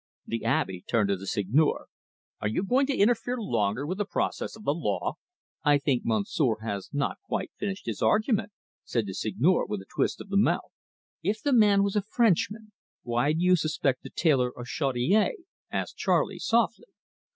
The Abby turned to the Seigneur. "Are you going to interfere longer with the process of the law?" "I think Monsieur has not quite finished his argument," said the Seigneur, with a twist of the mouth. "If the man was a Frenchman, why do you suspect the tailor of Chaudiere?" asked Charley softly.